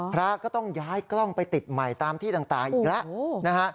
พระก็ต้องย้ายกล้องไปติดใหม่ตามที่ต่างอีกแล้วนะฮะ